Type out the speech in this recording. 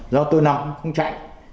do tôi nào cũng không chạy